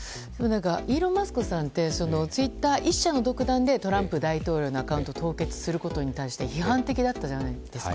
イーロン・マスクさんはツイッター１社の独断でトランプ大統領のアカウントを凍結することに対して批判的だったじゃないですか。